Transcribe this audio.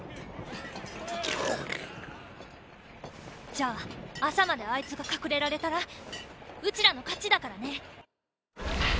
じゃあ朝まであいつが隠れられたらうちらの勝ちだからね。